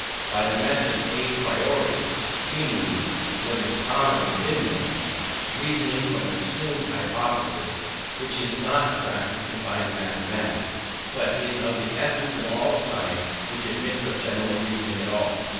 By the method à priori we mean (what has commonly been meant) reasoning from an assumed hypothesis; which is not a practice confined to mathematics, but is of the essence of all science which admits of general reasoning at all.